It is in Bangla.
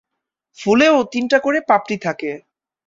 ফুলে ও তিনটা করে পাপড়ি থাকে।